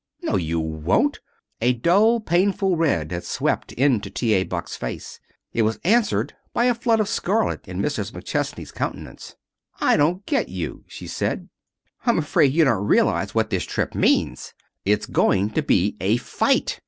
No, you won't!" A dull, painful red had swept into T. A. Buck's face. It was answered by a flood of scarlet in Mrs. McChesney's countenance. "I don't get you," she said. "I'm afraid you don't realize what this trip means. It's going to be a fight.